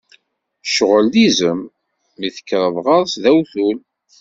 Ccɣel d izem, mi tekkreḍ ɣer-s d awtul.